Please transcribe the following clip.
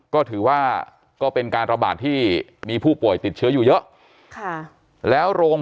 ก็ถือว่าก็เป็นการระบาดที่มีผู้ป่วยติดเชื้ออยู่เยอะแล้วโรง